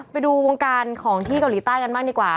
ไปดูวงการของที่เกาหลีใต้กันบ้างดีกว่า